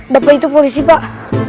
bapak itu polisi pak